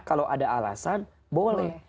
kalau ada alasan boleh